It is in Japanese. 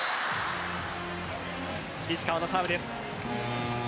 石川のサーブです。